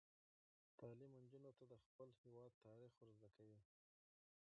تعلیم نجونو ته د خپل هیواد تاریخ ور زده کوي.